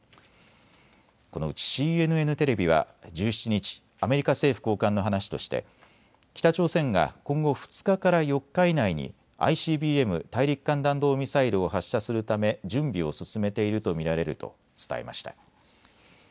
このうちＣＮＮテレビは１７日、アメリカ政府高官の話として北朝鮮が今後２日から４日以内にＩＣＢＭ・大陸間弾道ミサイルを発射するため準備を進めていると見られると伝えました。